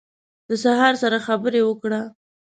د سهار سره خبرې وکړه